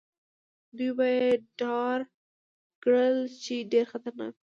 دوی به يې ډار کړل، چې ډېر خطرناک وو.